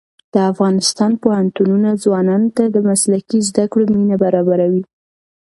د افغانستان پوهنتونونه ځوانانو ته د مسلکي زده کړو زمینه برابروي.